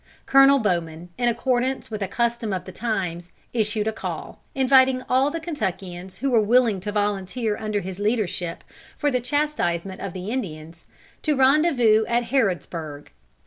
Colonel Bowman, in accordance with a custom of the times, issued a call, inviting all the Kentuckians who were willing to volunteer under his leadership for the chastisement of the Indians, to rendezvous at Harrodsburg.